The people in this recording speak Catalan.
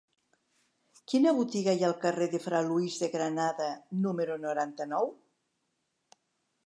Quina botiga hi ha al carrer de Fra Luis de Granada número noranta-nou?